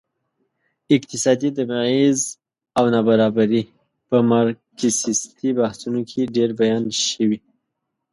اقتصادي تبعيض او نابرابري په مارکسيستي بحثونو کې ډېر بیان شوي.